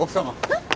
えっ？